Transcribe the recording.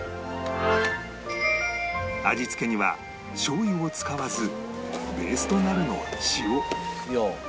味付けにはしょう油を使わずベースとなるのは塩